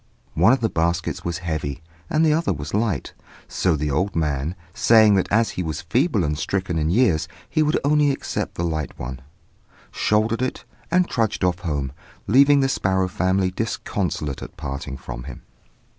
One of the baskets was heavy, and the other was light; so the old man, saying that as he was feeble and stricken in years he would only accept the light one, shouldered it, and trudged off home, leaving the sparrow family disconsolate at parting from him.